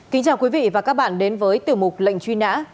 kính chào quý vị và các bạn đến với tiểu mục lệnh truy nã